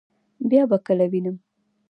بیا به کله وینم؟